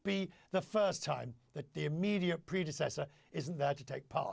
tidak akan menjadi pertama kali yang prinsip langsung tidak ada di sana untuk berbagi